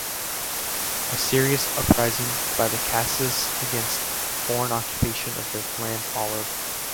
A serious uprising by the Khasis against foreign occupation of their land followed.